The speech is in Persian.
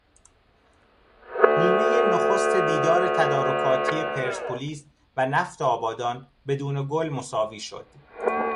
نیمه نخست دیدار تدارکاتی پرسپولیس و نفت آبادان بدون گل مساوی شد